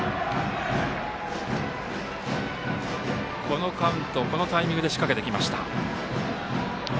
このカウント、このタイミングで仕掛けてきました。